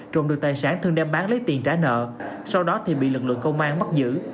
trộm được tài sản thương đem bán lấy tiền trả nợ sau đó thì bị lực lượng công an bắt giữ